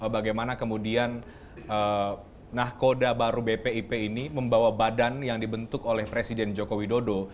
bagaimana kemudian nahkoda baru bpip ini membawa badan yang dibentuk oleh presiden joko widodo